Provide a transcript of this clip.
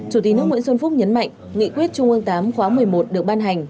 chủ tịch nước nguyễn xuân phúc nhấn mạnh nghị quyết trung ương viii khóa một mươi một được ban hành